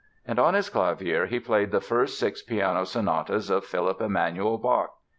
And on his clavier he played the first six piano sonatas of Philipp Emanuel Bach.